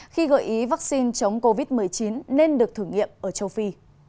khi gợi ý vaccine chống covid một mươi chín nên được thử nghiệm ở châu phi